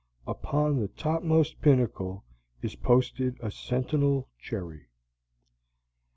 Upon the topmost pinnacle is posted a sentinel cherry.